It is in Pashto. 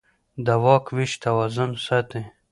د واک وېش توازن ساتي